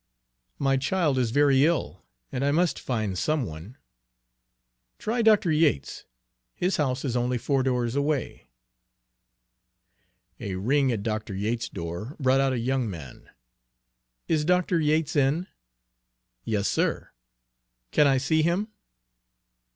"My child is very ill, and I must find some one." "Try Dr. Yates. His house is only four doors away." A ring at Dr. Yates's door brought out a young man. "Is Dr. Yates in?" "Yes, sir." "Can I see him?"